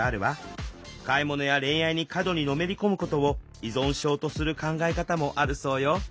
買い物や恋愛に過度にのめり込むことを依存症とする考え方もあるそうよ。